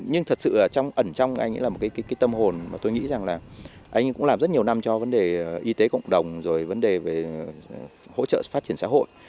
nhưng thật sự trong ẩn trong anh ấy là một cái tâm hồn mà tôi nghĩ rằng là anh cũng làm rất nhiều năm cho vấn đề y tế cộng đồng rồi vấn đề về hỗ trợ phát triển xã hội